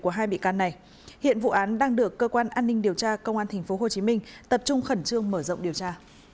của hai bị can này hiện vụ án đang được cơ quan an ninh điều tra công an tp hcm tập trung khẩn trương mở rộng điều tra